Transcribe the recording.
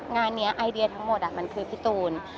งานนี้ไอเดียทั้งหมดมันคือพี่ตูน